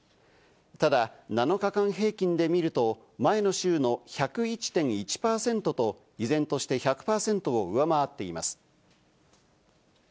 ただ７日間平均で見ると、前の週の１０１．１％と依然として１００％を上回っています。